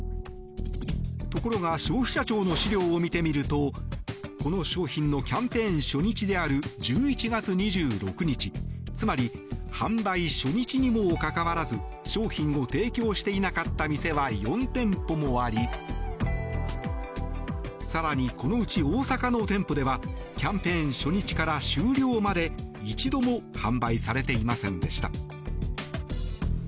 ところが消費者庁の資料を見てみるとこの商品のキャンペーン初日である１１月２６日つまり販売初日にもかかわらず商品を提供していなかった店は４店舗もあり更に、このうち大阪の店舗ではキャンペーン初日から終了まで一度も販売されていませんでした。